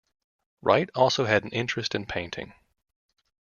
Wright also has an interest in painting.